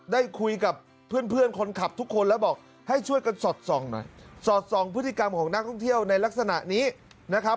ได้คุยกับเพื่อนคนขับทุกคนแล้วบอกให้ช่วยกันสอดส่องหน่อยสอดส่องพฤติกรรมของนักท่องเที่ยวในลักษณะนี้นะครับ